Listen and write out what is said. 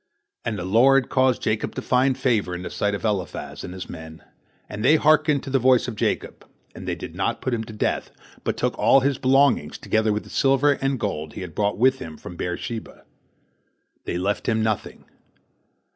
And the Lord caused Jacob to find favor in the sight of Eliphaz and his men, and they hearkened to the voice of Jacob, and they did not put him to death, but took all his belongings, together with the silver and gold that he had brought with him from Beer sheba. They left him nothing.